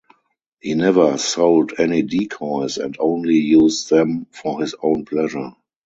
He never sold any decoys and only used them "for his own pleasure".